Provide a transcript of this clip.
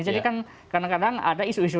jadi kan kadang kadang ada isu isu